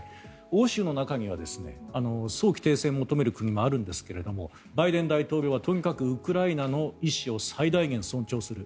欧州の中には早期停戦を求める国もあるんですがバイデン大統領はとにかくウクライナの意思を最大限尊重する。